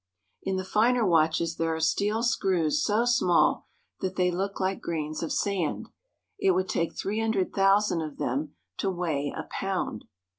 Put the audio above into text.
In the finer watches there are steel screws so small that they look like grains of sand. It would take three hundred thousand of them to weigh a pound.